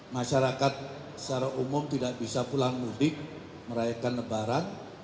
masyarakat secara umum tidak bisa pulang mudik merayakan lebaran